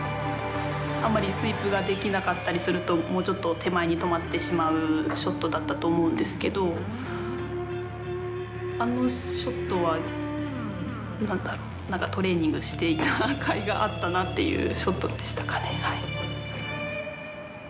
あんまりスイープができなかったりするともうちょっと手前に止まってしまうショットだったと思うんですけどあのショットは何だろう何かトレーニングしていたかいがあったなっていうショットでしたかね。